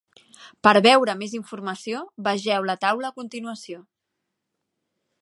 Per veure més informació, vegeu la taula a continuació.